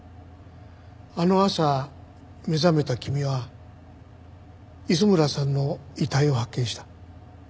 あの朝目覚めた君は磯村さんの遺体を発見した。